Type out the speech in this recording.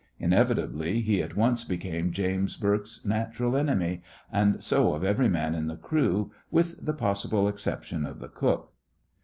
Inevitably he at once became James Bourke's natural enemy, and so of every man in the crew with the possible exception of the cook.